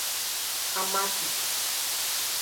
Amati